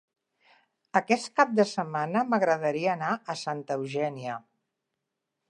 Aquest cap de setmana m'agradaria anar a Santa Eugènia.